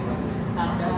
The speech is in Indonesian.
ya itu agak reda